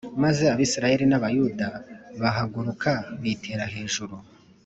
Maze Abisirayeli n’Abayuda bahaguruka bitera hejuru